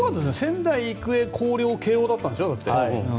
仙台育英、広陵慶応だったんでしょ。